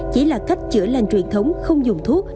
chỉ là cách chữa lên truyền thống không dùng thuốc